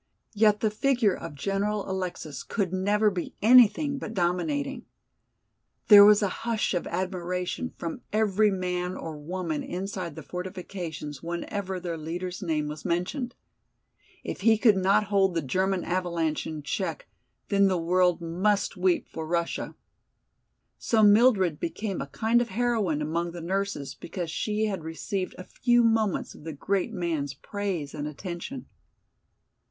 Yet the figure of General Alexis could never be anything but dominating. There was a hush of admiration from every man or woman inside the fortifications whenever their leader's name was mentioned. If he could not hold the German avalanche in check, then the world must weep for Russia. So Mildred became a kind of heroine among the nurses because she had received a few moments of the great man's praise and attention.